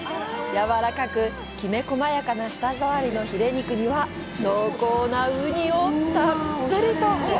やわらかく、きめ細やかな舌触りのヒレ肉には、濃厚なウニをたっぷりと。